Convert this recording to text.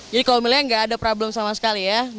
jadi kalau milea enggak ada problem sama sekali ya